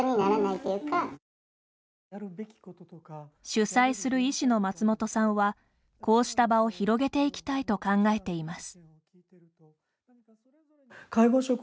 主催する医師の松本さんはこうした場を広げていきたいと考えています。